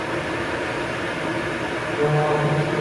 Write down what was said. Urvog`iga chidagan yupqa qilsin